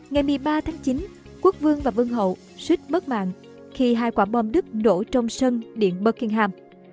ngày một mươi ba tháng chín quốc vương và vương hậu suýt mất mạng khi hai quả bom đức nổ trong sân điện buckingham